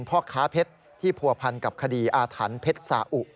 พ่อค้าเพชรที่ผัวพันกับคดีอาถรรพ์เพชรสาอุ